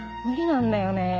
無理なんだよね